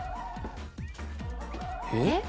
えっ？